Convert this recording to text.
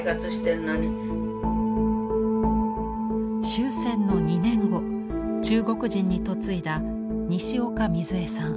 終戦の２年後中国人に嫁いだ西岡瑞江さん。